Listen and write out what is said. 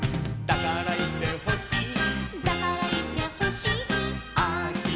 「だからいてほしい」